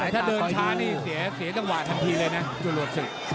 ถ้าเดินช้านี่เสียตั้งหวานทันทีเลยนะจุดหลวดสิ